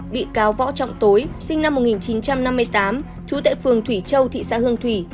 bị cáo võ trọng tối sinh năm một nghìn chín trăm năm mươi tám trú tại phường thủy châu thị xã hương thủy